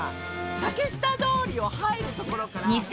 竹下通りを入るところから。